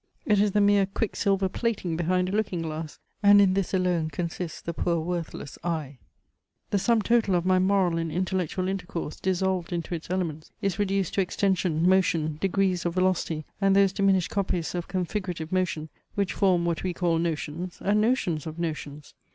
It is the mere quick silver plating behind a looking glass; and in this alone consists the poor worthless I! The sum total of my moral and intellectual intercourse, dissolved into its elements, is reduced to extension, motion, degrees of velocity, and those diminished copies of configurative motion, which form what we call notions, and notions of notions.